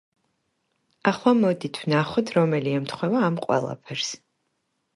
ახლა, მოდით, ვნახოთ რომელი ემთხვევა ამ ყველაფერს.